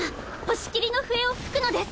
星斬りの笛を吹くのです！